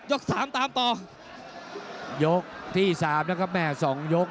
สามตามต่อยกที่สามนะครับแม่สองยก